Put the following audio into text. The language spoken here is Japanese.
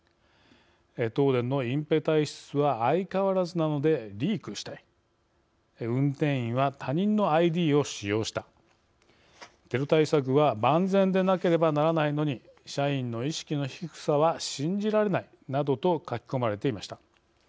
「東電の隠蔽体質は相変わらずなのでリークしたい」「運転員は他人のＩＤを使用した」「テロ対策は万全でなければならないのに社員の意識の低さは信じられない」などと書きこまれていました。